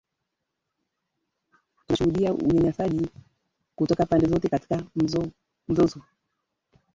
Tunashuhudia unyanyasaji kutoka pande zote katika mzozo